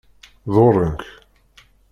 Ḍurren-k?